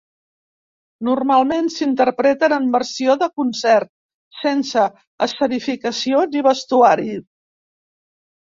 Normalment, s'interpreten en versió de concert, sense escenificació ni vestuari.